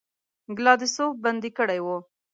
ګلادسوف بندي کړی وو.